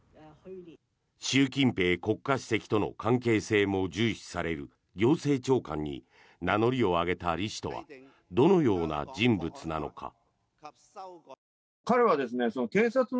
習近平国家主席との関係性も重視される行政長官に名乗りを上げたリ氏とはどのような人物なのか。